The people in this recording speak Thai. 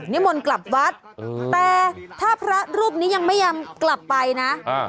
นิมนต์กลับวัดเออแต่ถ้าพระรูปนี้ยังไม่ยังกลับไปน่ะอ่า